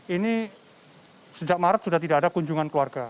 ini sejak maret sudah tidak ada kunjungan keluarga